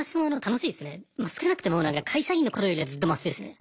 少なくとも会社員の頃よりはずっとマシですね。